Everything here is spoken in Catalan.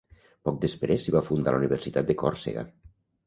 Poc després s'hi va fundar la Universitat de Còrsega.